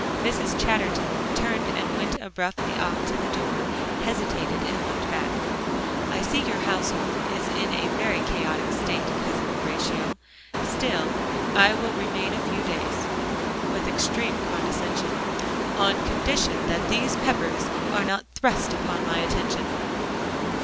Mrs. Chatterton turned and went abruptly off to the door, hesitated, and looked back. "I see your household is in a very chaotic state, Cousin Horatio. Still I will remain a few days," with extreme condescension, "on condition that these Peppers are not thrust upon my attention."